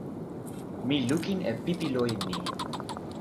o lukin e pipi loje ni.